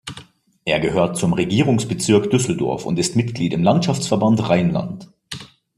Er gehört zum Regierungsbezirk Düsseldorf und ist Mitglied im Landschaftsverband Rheinland.